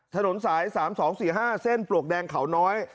ถนนสาย๓๒๔๕เส้นปลวกแดงเขาน้อย